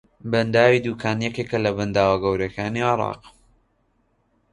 بەنداوی دووکان یەکێکە لە بەنداوە گەورەکانی عێراق